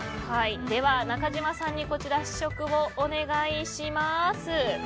では中島さんに試食をお願いします。